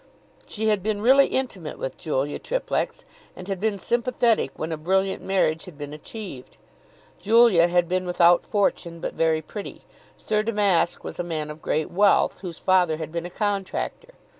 She had been really intimate with Julia Triplex, and had been sympathetic when a brilliant marriage had been achieved. Julia had been without fortune, but very pretty. Sir Damask was a man of great wealth, whose father had been a contractor.